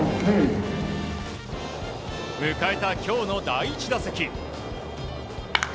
迎えた今日の第１打席。